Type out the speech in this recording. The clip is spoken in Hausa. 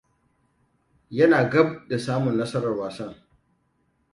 Yana gab da samun nasarar wasan.